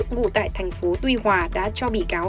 ngụ tại thành phố tuy hòa đã cho bị cáo